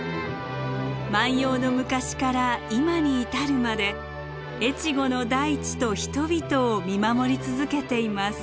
万葉の昔から今に至るまで越後の大地と人々を見守り続けています。